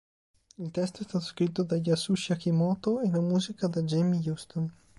Il testo è stato scritto da Yasushi Akimoto e la musica da Jamie Houston.